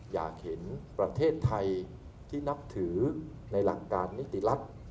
อยากเห็นประเทศไทยที่นับถือในหลักการนิติรัฐ